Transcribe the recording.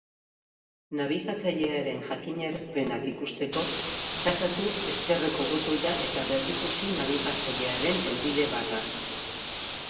Nabigatzailearen jakinarazpenak ikusteko sakatu ezkerreko botoia eta berrikusi nabigatzailearen helbide-barra.